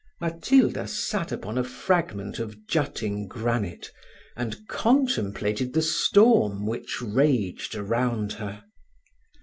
Matilda sat upon a fragment of jutting granite, and contemplated the storm which raged around her.